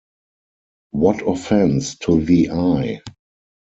What Offence to the Eye!